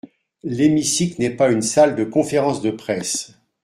L’hémicycle n’est pas une salle de conférences de presse.